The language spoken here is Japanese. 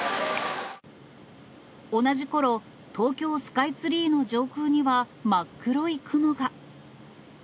同じころ、東京スカイツリーの上空には真っ黒い雲が。